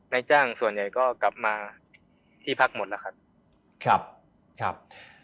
แล้วก็นายจ้างส่วนใหญ่ก็กลับมาที่พักหมดแล้วครับ